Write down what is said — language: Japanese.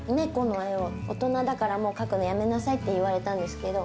大人だからもう描くのやめなさいって言われたんですけど。